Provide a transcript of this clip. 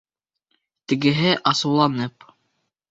Тегеһе асыуланып: